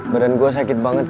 badan gue sakit banget